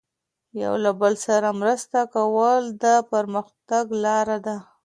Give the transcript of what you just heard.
یو له بل سره مرسته کول د پرمختګ لاره ده.